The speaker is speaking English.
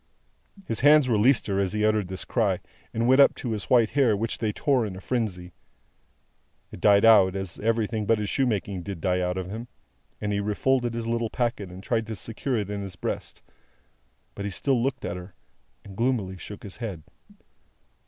His hands released her as he uttered this cry, and went up to his white hair, which they tore in a frenzy. It died out, as everything but his shoemaking did die out of him, and he refolded his little packet and tried to secure it in his breast; but he still looked at her, and gloomily shook his head.